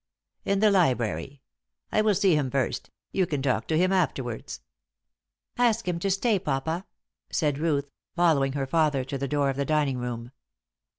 "In the library. I will see him first. You can talk to him afterwards." "Ask him to stay, papa," said Ruth, following her father to the door of the dining room.